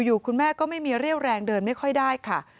อยู่คุณแม่ก็ไม่มีเรี่ยวแรงเดินไม่ค่อยได้ค่ะ